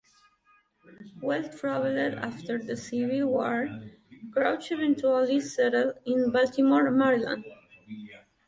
Well traveled after the Civil War, Crouch eventually settled in Baltimore, Maryland.